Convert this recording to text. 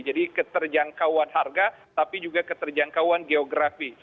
jadi keterjangkauan harga tapi juga keterjangkauan geografi